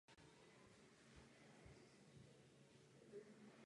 Los vyhrála Šarapovová a do úvodu utkání zvolila příjem.